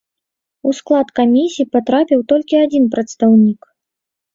У склад камісій патрапіў толькі адзін прадстаўнік.